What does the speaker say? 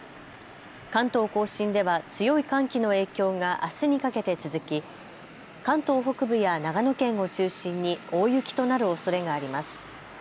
関東甲信では強い寒気の影響があすにかけて続き関東北部や長野県を中心に大雪となるおそれがあります。